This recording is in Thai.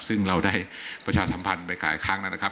ซึ่งเราได้ประชาสัมพันธ์ไปหลายครั้งแล้วนะครับ